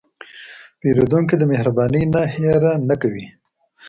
پیرودونکی د مهربانۍ نه هېره نه کوي.